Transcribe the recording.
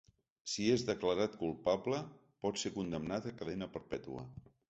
Si és declarat culpable, pot ser condemnat a cadena perpètua.